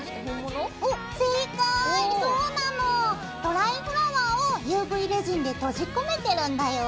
ドライフラワーをＵＶレジンで閉じ込めてるんだよ。